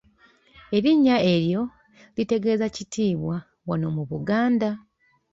Erinnya eryo litegeeza kitiibwa wano mu Buganda.